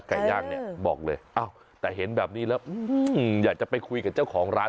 ไก่ย่างเนี่ยบอกเลยแต่เห็นแบบนี้แล้วอยากจะไปคุยกับเจ้าของร้าน